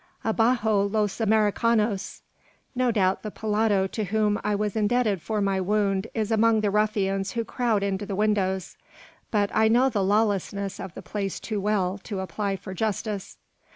Abajo los Americanos!" No doubt the pelado to whom I was indebted for my wound is among the ruffians who crowd into the windows; but I know the lawlessness of the place too well to apply for justice.